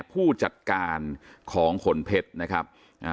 ผู้จัดการของขนเพชรนะครับอ่า